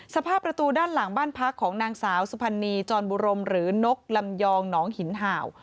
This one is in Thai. สภาพประตูด้านหลังบ้านพักของนางสาวสุพรรณีจรบุรมหรือนกลำยองหนองหินเห่า